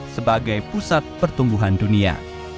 sebagai pusat pertumbuhan dunia